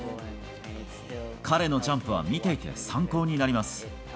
彼のジャンプは見ていて参考になります。